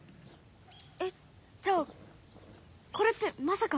えっじゃあこれってまさか。